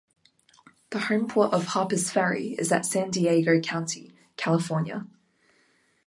The homeport of "Harpers Ferry" is at San Diego County, California.